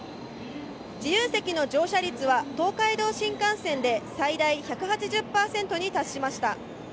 自由席の乗車率は東海道新幹線で最大１８０％に達しました。